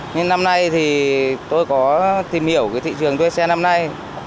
nhưng năm nay thì tôi có tìm hiểu thị trường thuê xe năm nay